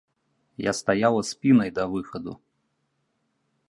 Я стаяла спінай да выхаду.